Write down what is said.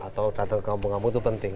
atau datang ke ngapung ngapung itu penting